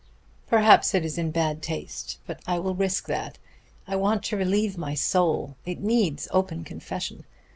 Perhaps it is in bad taste, but I will risk that I want to relieve my soul, it needs open confession.